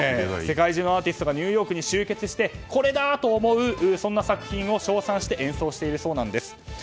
世界中のアーティストがニューヨークに集結してこれだ！と思う作品を称賛して演奏しているそうなんです。